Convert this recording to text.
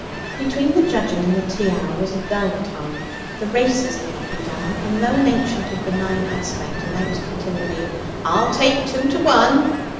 Between the judging and the tea hour was a dull time. The races had not begun, and though an ancient of benign aspect announced continually, 'I'll take two to one!'